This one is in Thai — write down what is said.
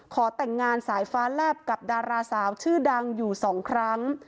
ขอแต่งงานสายฟ้าแลบกับดาราสาวชื่อดังอยู่๒ครั้ง